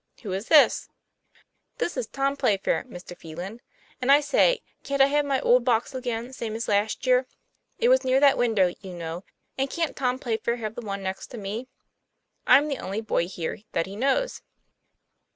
Who is this?" " This is Tommy Playfair, Mr. Phelan. And I say, can't I have my old box again, same as last year it was near that window, you know and can't Tom Playfair have the one next to me ? I'm the only boy here that he knows."